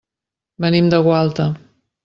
Venim de Gualta.